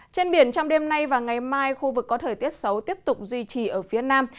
trên biển trong đêm nay và ngày mai khu vực có thời tiết xấu tiếp tục duy trì ở phía nam